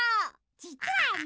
じつはね。